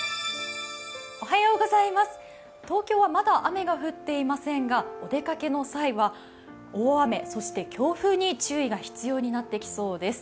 東京は、まだ雨が降っていませんが、お出かけの際は大雨、そして強風に注意が必要になってきそうです。